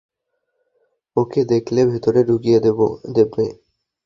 ওকে দেখলে ভেতরে ঢুকিয়ে দেবে।